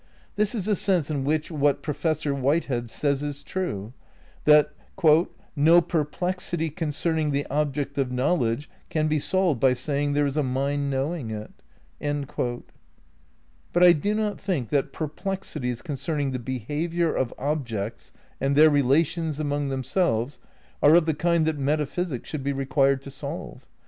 This is the sense in which what Professor Whitehead says is true, that "No perplexity concerning the object of knowledge can be solved by saying there is a mind knowing it. '' But I do not think that perplexities concerning the behav iour of objects and their relations among themselves are of the kind that metaphysics should be required to solve.